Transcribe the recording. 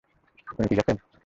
উনি ঠিক আছেন?